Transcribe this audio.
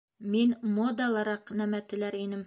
Мин модалыраҡ нәмә теләр инем